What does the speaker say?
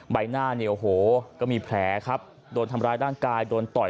ใบหน้าเนี่ยโอ้โหก็มีแผลครับโดนทำร้ายร่างกายโดนต่อย